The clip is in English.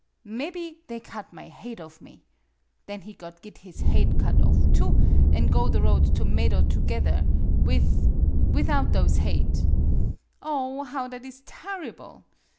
Mebby they cut my hade off me. Then he got git his hade cut off, too, an' go the road to Meido together with without those MADAME BUTTERFLY 37 hade! Oh, how that is tarrible!